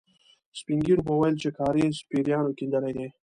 سپين ږيرو به ويل چې کاریز پېريانو کېندلی دی.